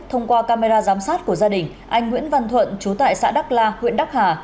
thông qua camera giám sát của gia đình anh nguyễn văn thuận chú tại xã đắc la huyện đắc hà